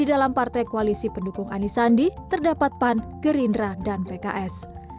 di dalam partai koalisi pendukung anisandi terdapat pan gerindra dan pks